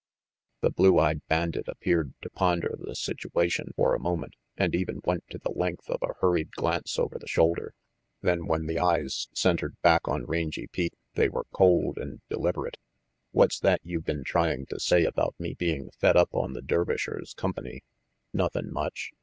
The blue eyed bandit appeared to ponder the situation for a moment and even went to the length RANGY PETE 37 of a hurried glance over the shoulder. Then when the eyes centered back on Rangy Pete they were cold and deliberate. "What's that you been trying to say about me being fed up on the Dervishers' company?" "Nothin' much.